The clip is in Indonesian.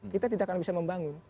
kita tidak akan bisa membangun